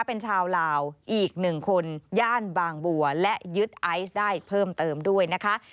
เป็นชาวลาวอีกหนึ่งคนย่านบางบัวและยึดไอซ์ได้เพิ่มเติมด้วยนะคะ